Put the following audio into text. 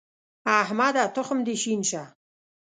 احمده! تخم دې شين شه.